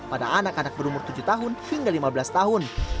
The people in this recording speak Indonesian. pada anak anak berumur tujuh tahun hingga lima belas tahun